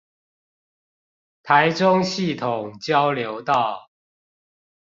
台中系統交流道